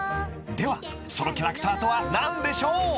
［ではそのキャラクターとは何でしょう？］